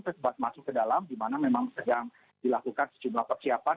tersebut masuk ke dalam di mana memang sedang dilakukan sejumlah persiapan